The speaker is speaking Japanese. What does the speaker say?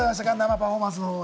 パフォーマンスは。